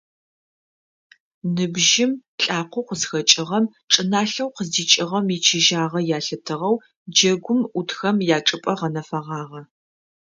Ныбжьым , лӏакъоу къызхэкӏыгъэм, чӏыналъэу къыздикӏыгъэм ичыжьагъэ ялъытыгъэу джэгум ӏутхэм ячӏыпӏэ гъэнэфэгъагъэ.